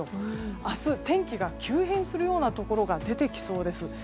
明日、天気が急変するようなところが出てきそうです。